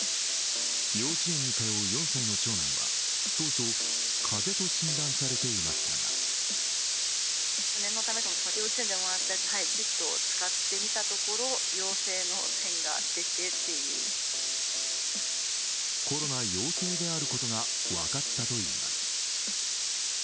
幼稚園に通う４歳の長男は当初、風邪と診断されていましたがコロナ陽性であることが分かったといいます。